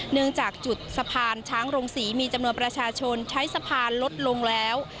เนื่องจากจุดสะพานช้างโรงศรีมีจำนวนประชาชนใช้สะพานลดลงแล้ว